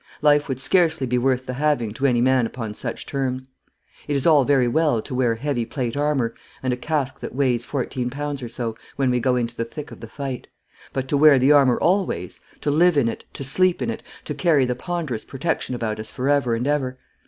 Life would scarcely be worth the having to any man upon such terms. It is all very well to wear heavy plate armour, and a casque that weighs fourteen pounds or so, when we go into the thick of the fight. But to wear the armour always, to live in it, to sleep in it, to carry the ponderous protection about us for ever and ever!